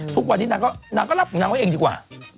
ทุกวันนี้นางก็รับของนางไว้เองดีกว่า